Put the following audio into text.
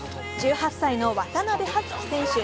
１８歳の渡部葉月選手。